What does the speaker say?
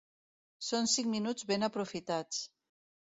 Són cinc minuts ben aprofitats.